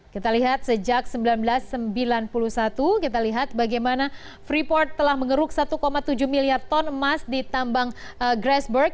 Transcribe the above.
kita lihat sejak seribu sembilan ratus sembilan puluh satu kita lihat bagaimana freeport telah mengeruk satu tujuh miliar ton emas di tambang grassberg